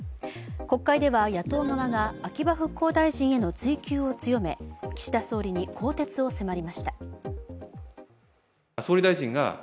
国会では野党側が秋葉復興大臣への追及を強め岸田総理に更迭を迫りました。